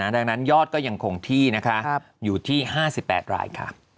ดังนั้นยอดก็ยังคงที่นะคะอยู่ที่๕๘รายค่ะ